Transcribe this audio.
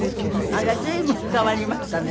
あら随分変わりましたね。